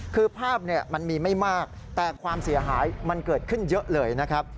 คือภาพมันมีไม่มากแต่ความเสียหายมันเกิดขึ้นเยอะเลยนะครับ